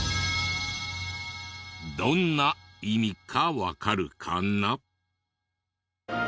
どんな意味かわかるかな？